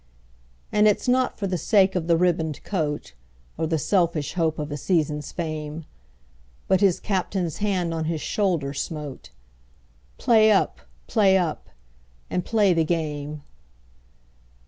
And it's not for the sake of a ribboned coat, Or the selfish hope of a season's fame, But his Captain's hand on his shoulder smote "Play up! play up! and play the game!"